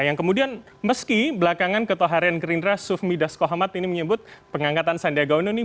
yang kemudian meski belakangan ketaharian gerindra sufmi das kohamat ini menyebut pengangkatan sandiaga uno ini